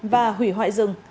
và hủy hoại rừng